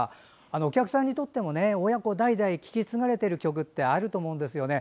お客さんにとっても親子代々受け継がれている曲ってあると思うんですよね。